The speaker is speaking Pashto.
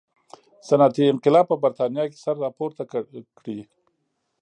صنعتي انقلاب په برېټانیا کې سر راپورته کړي.